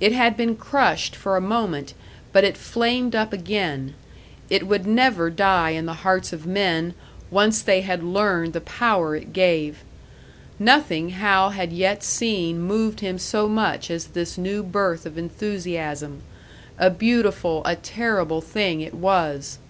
It had been crushed for a moment, but it flamed up again; it would never die in the hearts of men once they had learned the power it gave. Nothing Hal had yet seen moved him so much as this new birth of enthusiasm. A beautiful, a terrible thing it was!